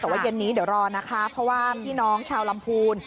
แต่ว่าเย็นนี้เดี๋ยวรอนะคะเพราะว่าพี่น้องชาวลำพูน